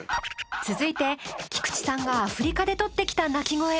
続いて菊池さんがアフリカで録ってきた鳴き声。